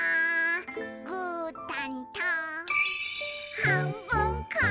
「ぐーたんとはんぶんこ！」